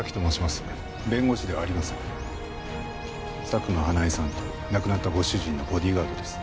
佐久間華絵さんと亡くなったご主人のボディーガードです。